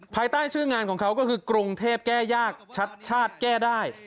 ภายใต้ชื่องานของเขาก็คือกรุงเทพแก้ยากชัดชาติแก้ได้